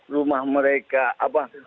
rumah mereka apa